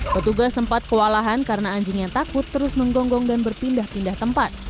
petugas sempat kewalahan karena anjing yang takut terus menggonggong dan berpindah pindah tempat